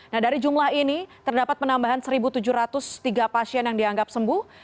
nah dari jumlah ini terdapat penambahan satu tujuh ratus tiga pasien yang dianggap sembuh